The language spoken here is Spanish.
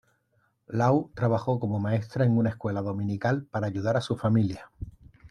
Law trabajó como maestra en una escuela dominical para ayudar a su familia.